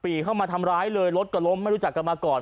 เข้ามาทำร้ายเลยรถก็ล้มไม่รู้จักกันมาก่อน